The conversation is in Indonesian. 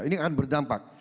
ini akan berdampak